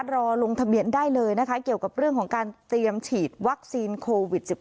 ลงทะเบียนได้เลยนะคะเกี่ยวกับเรื่องของการเตรียมฉีดวัคซีนโควิด๑๙